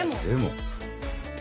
でも？